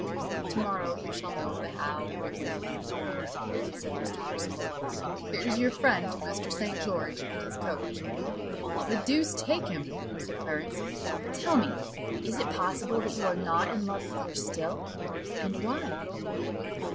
"To morrow you shall know the how, the when, and the where," said Mr. Percival: "here's your friend, Mr. St. George, and his coach." "The deuce take him!" said Clarence: "but tell me, is it possible that you are not in love with her still? and why?"